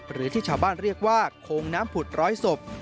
หรือที่ชาวบ้านเรียกว่าโคงน้ำผุดร้อยศพ